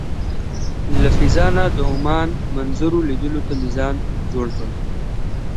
له فضا نه د عمان منظرو لیدلو ته مې ځان جوړ کړ.